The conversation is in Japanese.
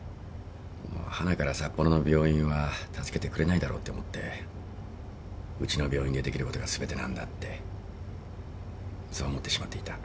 はなから札幌の病院は助けてくれないだろうって思ってうちの病院でできることが全てなんだってそう思ってしまっていた。